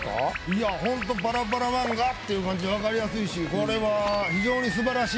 いやホントパラパラ漫画っていう感じで分かりやすいしこれは。